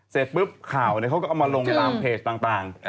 เสร็จปุ๊บข่าวเขาก็เอามาลงตามเพจต่าง